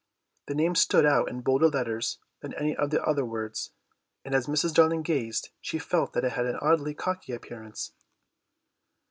The name stood out in bolder letters than any of the other words, and as Mrs. Darling gazed she felt that it had an oddly cocky appearance.